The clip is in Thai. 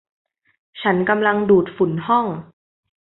ฉันกำลังดูดฝุ่นห้อง